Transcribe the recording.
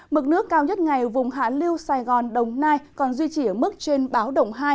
mực nước cao nhất ngày vùng hạ liêu sài gòn đồng nai còn duy trì ở mức trên báo động hai